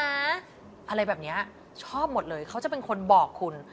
อะไรแบบนี้ชอบหมดเลยเขาจะเป็นคนบอกคุณ